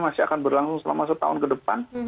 masih akan berlangsung selama setahun ke depan